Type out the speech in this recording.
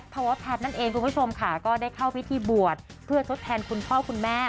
พระแพทรเราได้เข้าพฤทธิบ่วนเพื่อชดแทนคุณพ่อคุณแม่